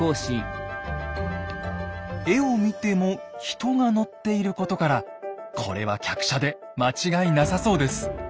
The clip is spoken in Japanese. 絵を見ても人が乗っていることからこれは客車で間違いなさそうです。